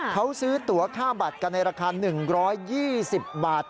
เขาซื้อตัวค่าบัตรกันในราคา๑๒๐บาท